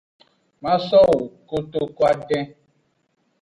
Masowo koto adin.